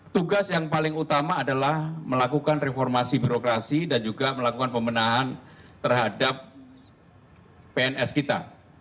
tugas yang paling utama adalah melakukan reformasi birokrasi dan juga melakukan pemenahan terhadap pns kita